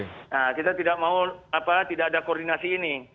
nah kita tidak mau apa tidak ada koordinasi ini